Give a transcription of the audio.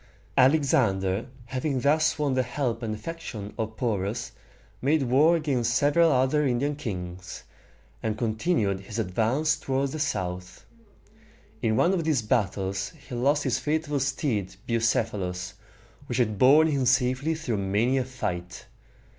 Alexander, having thus won the help and affection of Porus, made war against several other Indian kings, and continued his advance toward the south. In one of these battles he lost his faithful steed Bucephalus, which had borne him safely through many a fight.